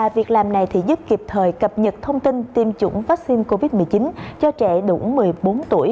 việc làm này giúp kịp thời cập nhật thông tin tiêm chủng vaccine covid một mươi chín cho trẻ đủ một mươi bốn tuổi